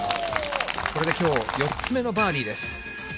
これできょう４つ目のバーディーです。